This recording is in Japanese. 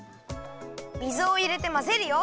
水をいれてまぜるよ。